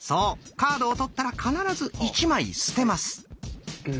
カードを取ったら必ず１枚捨てます。